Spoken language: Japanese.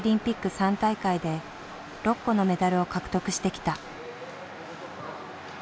３大会で６個のメダルを獲得してきた。